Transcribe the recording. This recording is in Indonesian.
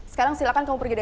sekarang silakan kamu percaya